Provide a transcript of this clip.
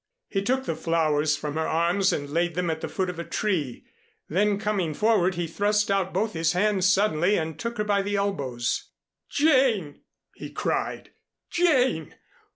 He took the flowers from her arms and laid them at the foot of a tree. Then coming forward he thrust out both his hands suddenly and took her by the elbows. "Jane!" he cried, "Jane!